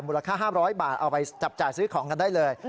ค่า๕๐๐บาทเอาไปจับจ่ายซื้อของกันได้เลย